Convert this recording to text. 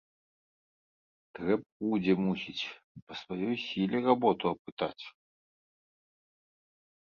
Трэба будзе, мусіць, па сваёй сіле работу апытаць.